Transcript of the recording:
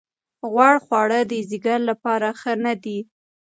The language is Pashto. غوړ خواړه د ځیګر لپاره ښه نه دي.